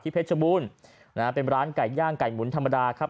เพชรบูรณ์นะฮะเป็นร้านไก่ย่างไก่หมุนธรรมดาครับ